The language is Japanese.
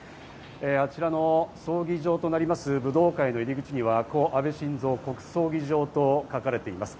あちらの葬儀場となります武道館への入り口には故安倍晋三国葬儀場と書かれています。